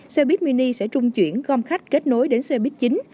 xe buýt mini sẽ trung chuyển gom khách kết nối đến xe buýt chính